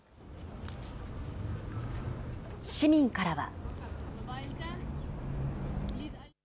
市民からは。